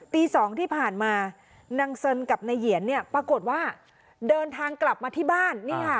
ตี๒ที่ผ่านมานางเซินกับนายเหยียนเนี่ยปรากฏว่าเดินทางกลับมาที่บ้าน